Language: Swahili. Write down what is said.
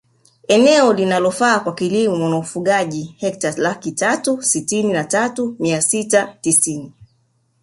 Eneo linalofaa kwa kilimo naufugaji hekta laki tatu sitini na tatu mia sita tisini